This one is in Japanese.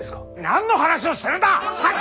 何の話をしてるんだ！